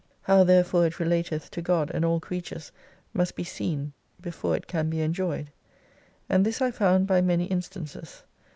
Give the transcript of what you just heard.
How therefore it relateth to God and all creatures must be seen before it can be enjoyed. And this I found by many instances.